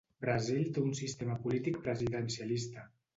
Brasil té un sistema polític presidencialista.